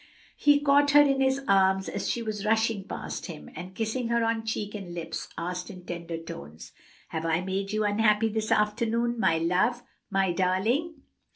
He caught her in his arms as she was rushing past him, and kissing her on cheek and lips, asked in tender tones, "Have I made you unhappy this afternoon, my love, my darling?"